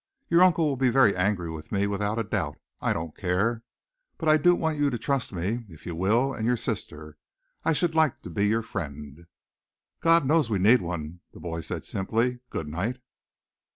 Your uncle will be very angry with me, without a doubt. I don't care. But I do want you to trust me, if you will, and your sister. I should like to be your friend." "God knows we need one!" the boy said simply. "Good night!"